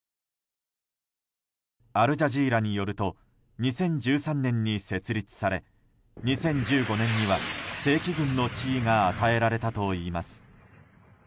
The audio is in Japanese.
アルジャジーラによると２０１３年に設立され２０１５年には正規軍の地位が与えられたといいます。